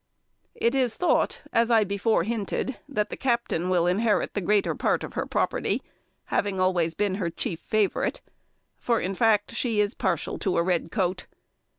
It is thought, as I before hinted, that the captain will inherit the greater part of her property, having always been her chief favourite; for, in fact, she is partial to a red coat.